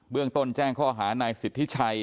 เบื้องต้นแจ้งข้ออาหารในสิทธิชัย